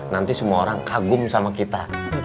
nanti semua orang kagum sama kita